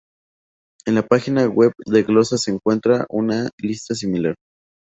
En la página web de Glosa se encuentra una lista similar.